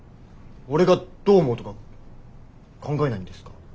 俺がどう思うとか考えないんですか？